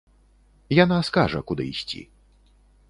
Яна скажа, куды ісці.